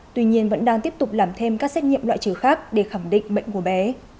tuy nhiên vẫn đang tiếp tục làm thêm các xét nghiệm loại trừ khác để khẳng định bệnh của bé